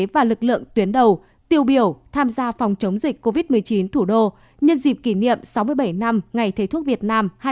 và lực lượng tuyến đầu tiêu biểu tham gia phòng chống dịch covid một mươi chín thủ đô nhân dịp kỷ niệm sáu mươi bảy năm ngày thầy thuốc việt nam hai mươi bảy tháng hai